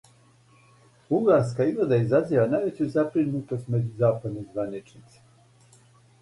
Бугарска изгледа изазива највећу забринутост међу западним званичницима.